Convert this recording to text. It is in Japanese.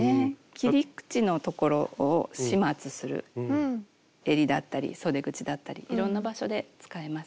切り口のところを始末するえりだったりそで口だったりいろんな場所で使えますね。